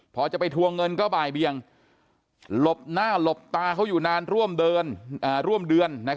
พอจะไปทวงเงินก็บ่ายเบียงหลบหน้าหลบตาเขาอยู่นานร่วมเดือนร่วมเดือน